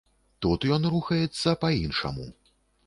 Тут ён рухаецца па іншаму.